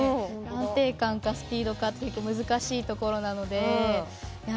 安定感かスピードか結構難しいところなのでいや